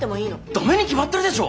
ダメに決まってるでしょ！